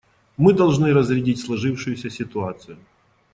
Мы должны разрядить сложившуюся ситуацию.